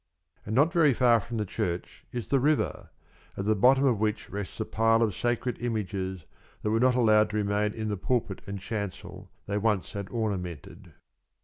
And not very far from the church is the river, at the bottom of which rests a pile of sacred images that were not allowed to remain in the pulpit and chancel they once had ornamented.